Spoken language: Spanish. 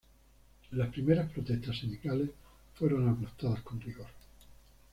Las primeras protestas sindicales fueron aplastadas con rigor.